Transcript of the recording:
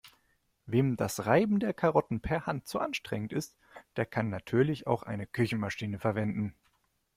Wem das Reiben der Karotten per Hand zu anstrengend ist, der kann natürlich auch eine Küchenmaschine verwenden.